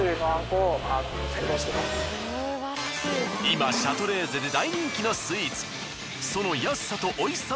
今シャトレーゼで大人気のスイーツ。